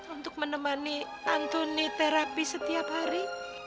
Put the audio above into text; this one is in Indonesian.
untuk menemani antoni terapi setiap hari